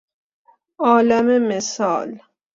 عالم مثال